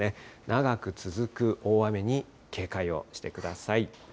長く続く大雨に警戒をしてください。